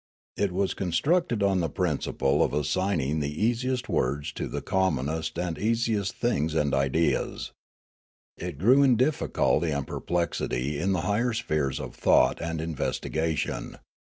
It was constructed on the principle of assigning the easiest words to the commonest and easiest things and ideas. It grew^ in difficulty and per plexity in the higher spheres of thought and investiga tion.